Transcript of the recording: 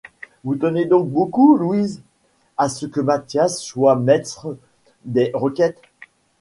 Vous tenez donc beaucoup, Louise, à ce que Mathias soit maistre des requêtes ?